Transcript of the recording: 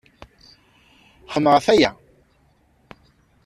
Xemmemeɣ ɣef waya.